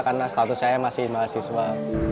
karena status saya masih mahasiswa